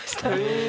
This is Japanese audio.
え。